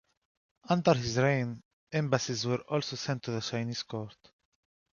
Under his reign, embassies were also sent to the Chinese court.